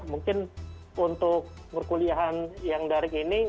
mungkin untuk perkuliahan yang dari ini